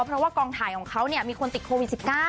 เพราะว่ากองถ่ายของเขามีคนติดโควิด๑๙